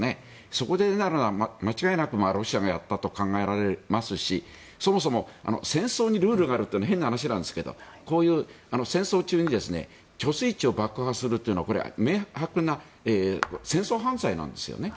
そこでなら、間違いなくロシアがやったと考えられますしそもそも戦争にルールがあるというのは変な話なんですがこういう戦争中に貯水池を爆破するというのはこれは明白な戦争犯罪なんですよね。